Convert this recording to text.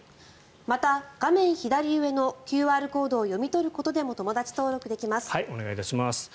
また、画面左上のＱＲコードを読み取ることでもお願いいたします。